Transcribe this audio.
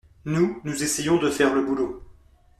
Nous, nous essayons de faire le boulot.